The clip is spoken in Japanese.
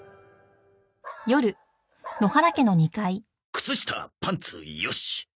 靴下パンツよし。